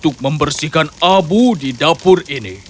baik tapi pastikan kau kembali dalam rumah